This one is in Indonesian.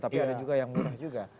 tapi ada juga yang murah juga